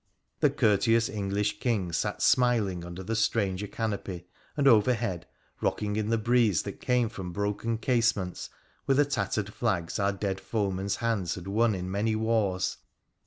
The courteous English King sat smiling under the stranger canopy, and overhead — rocking in the breeze that came from broken casements — were the tattered flags our dead foeman's hands had won in many wars.